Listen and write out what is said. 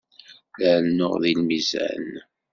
La rennuɣ deg lmizan.